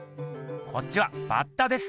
こっちはバッタです。